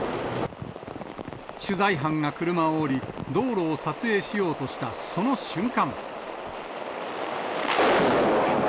取材班が車を降り、道路を撮影しようとしたその瞬間。